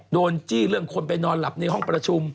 จี้เรื่องคนไปนอนหลับในห้องประชุม